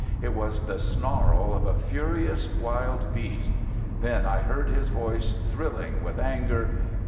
It was the snarl of a furious wild beast. Then I heard his voice thrilling with anger.